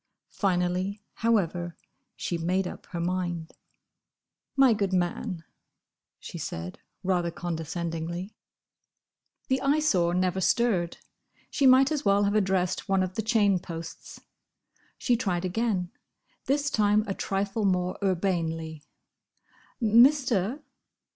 Finally, however, she made up her mind. "My good man," she said, rather condescendingly. The Eyesore never stirred. She might as well have addressed one of the chain posts. She tried again: this time a trifle more urbanely. "Mister!